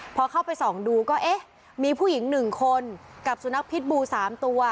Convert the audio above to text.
พอเข้าไปส่องดูก็เอ๊ะมีผู้หญิง๑คนกับสุนัขพิษบู๓ตัว